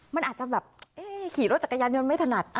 มันอาจจะแบบขี่รถจักรยานยนต์ไม่ถนัด